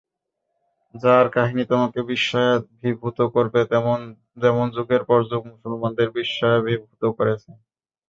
যার কাহিনী তোমাকে বিস্ময়াভিভূত করবে যেমন যুগের পর যুগ মুসলমানদের বিস্ময়াভিভূত করেছে।